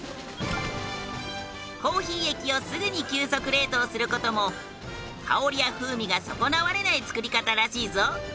コーヒー液をすぐに急速冷凍する事も香りや風味が損なわれない作り方らしいぞ。